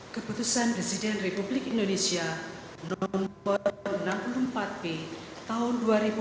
keputusan presiden republik indonesia nomor enam puluh empat b tahun dua ribu dua puluh